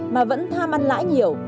mà vẫn tham ăn lãi nhiều